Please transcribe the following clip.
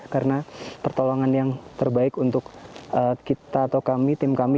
karena pertolongan yang terbaik untuk kita atau kami tim kami